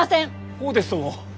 ほうですとも。